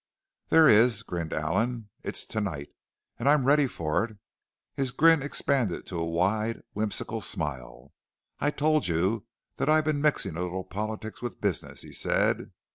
"There is," grinned Allen. "It's to night, and I'm ready for it!" His grin expanded to a wide, whimsical smile. "I told you that I'd been mixing a little politics with business," he said.